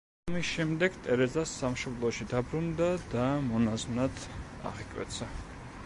ამის შემდეგ ტერეზა სამშობლოში დაბრუნდა და მონაზვნად აღიკვეცა.